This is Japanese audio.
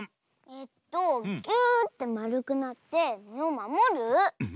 えっとギューッてまるくなってみをまもる？